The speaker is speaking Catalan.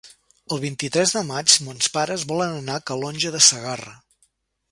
El vint-i-tres de maig mons pares volen anar a Calonge de Segarra.